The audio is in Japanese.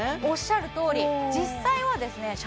おっしゃるとおり実際はですね